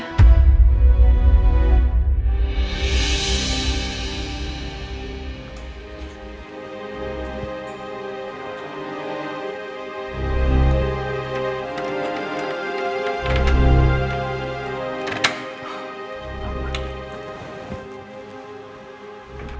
aku juga pak